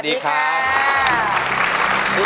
พี่โภค